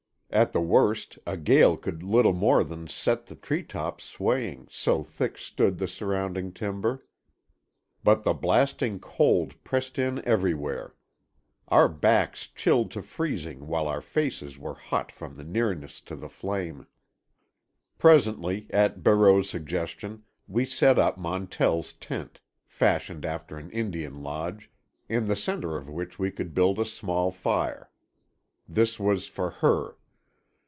At the worst, a gale could little more than set the tree tops swaying, so thick stood the surrounding timber. But the blasting cold pressed in everywhere. Our backs chilled to freezing while our faces were hot from nearness to the flame. Presently, at Barreau's suggestion, we set up Montell's tent—fashioned after an Indian lodge—in the center of which could be built a small fire. This was for her.